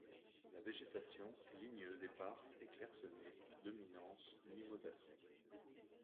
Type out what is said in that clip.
La végétation est ligneuse éparse et clairsemée à dominances mimosacées.